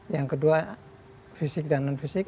yang kedua fisik dan non fisik